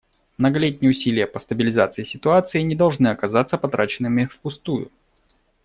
Многолетние усилия по стабилизации ситуации не должны оказаться потраченными впустую.